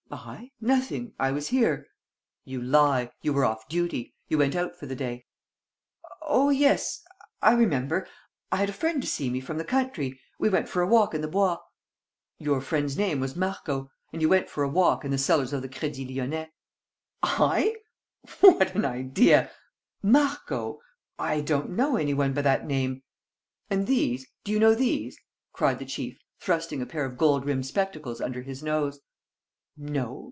"I? Nothing. I was here." "You lie. You were off duty. You went out for the day." "Oh, yes ... I remember ... I had a friend to see me from the country. ... We went for a walk in the Bois." "Your friend's name was Marco. And you went for a walk in the cellars of the Crédit Lyonnais." "I? What an idea! ... Marco! ... I don't know any one by that name." "And these? Do you know these?" cried the chief, thrusting a pair of gold rimmed spectacles under his nose. "No